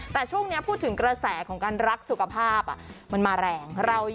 แต่ช่วงนี้พูดถึงกระแสของการรักสุขภาพมันมาแรง